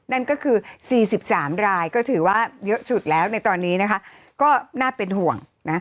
นั่นก็คือ๔๓รายก็ถือว่าเยอะสุดแล้วในตอนนี้นะคะก็น่าเป็นห่วงนะ